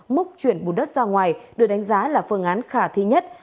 múc chuyển bùn đất ra ngoài được đánh giá là phương án khả thi nhất